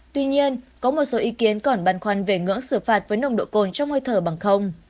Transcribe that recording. tuy nhiên có một số ý kiến còn băn khoăn về ngưỡng xử phạt với nồng độ cồn trong hơi thở bằng không